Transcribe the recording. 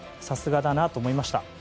さすがだなと思いました。